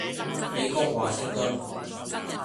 美國華盛頓